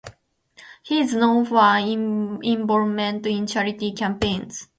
He is known for his involvement in charity campaigns.